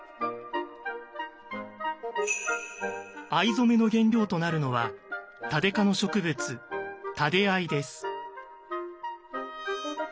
藍染めの原料となるのはタデ科の植物「タデアイ」です。